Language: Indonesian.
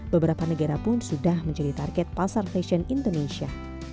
beberapa negara pun sudah menjadi target pasar fashion indonesia